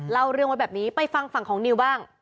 เล่าเรื่องไว้แบบนี้ไปฟังฝั่งของนิวบ้าง